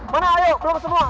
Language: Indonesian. mana ayo belum semua